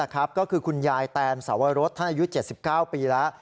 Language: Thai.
คุณยายแตนสวรรค์ถ้าอายุ๗๙ปีแล้ว